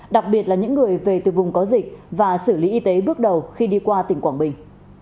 đặc biệt là những người về từ vùng có dịch và xử lý y tế bước đầu khi đi qua tỉnh quảng bình